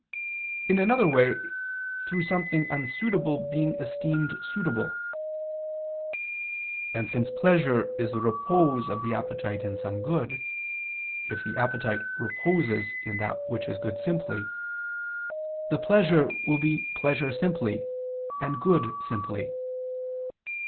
In another way, through something unsuitable being esteemed suitable. And since pleasure is the repose of the appetite in some good, if the appetite reposes in that which is good simply, the pleasure will be pleasure simply, and good simply.